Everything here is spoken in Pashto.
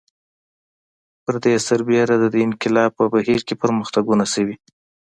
پر دې سربېره د دې انقلاب په بهیر کې پرمختګونه شوي